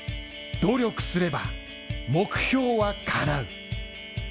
努力すれば目標はかなう。